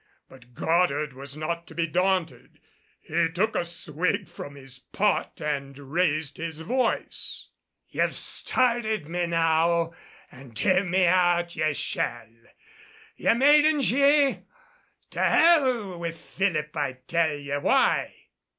But Goddard was not to be daunted. He took a swig from his pot and raised his voice, "Ye've started me now an' hear me out, ye shall, ye maidens ye! To hell with Philip! I'll tell ye why.